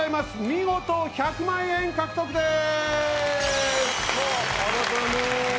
見事１００万円獲得です！